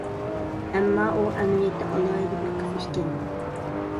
ئەمما ئۇ ئەمەلىيەتتە ئالاھىدە بىر قىز ئىكەن.